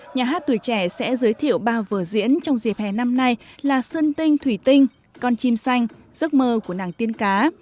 nhà hát tuổi trẻ sẽ giới thiệu ba vở diễn trong dịp hè năm nay là sơn tinh thủy tinh con chim xanh giấc mơ của nàng tiên cá